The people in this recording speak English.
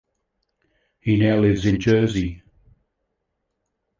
He now lives in Jersey.